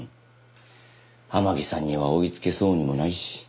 天樹さんには追い付けそうにもないし。